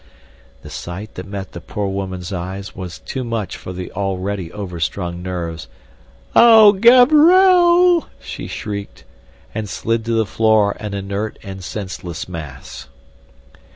The sight that met the poor woman's eyes was too much for the already overstrung nerves. "Oh, Gaberelle!" she shrieked, and slid to the floor an inert and senseless mass.